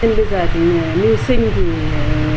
nhưng bây giờ thì miêu sinh thì đa vẫn kìa